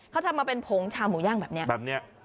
เขาทำมาเป็นผงชาหมูย่างแบบนี้